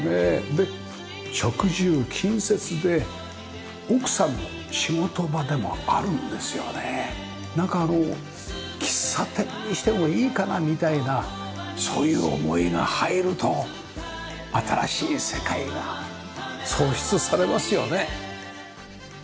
で職住近接で奥さんの仕事場でもあるんですよね。なんかあの喫茶店にしてもいいかなみたいなそういう思いが入ると新しい世界が創出されますよね。